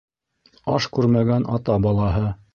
Аш күрмәгән ата балаһы.